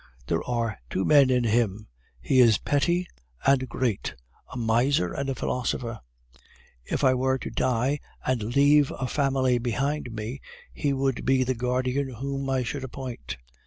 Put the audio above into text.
There are two men in him; he is petty and great a miser and a philosopher. If I were to die and leave a family behind me, he would be the guardian whom I should appoint.